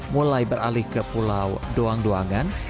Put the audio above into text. mulai beralih ke pulau doang doangan